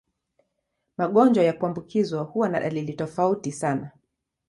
Magonjwa ya kuambukizwa huwa na dalili tofauti sana.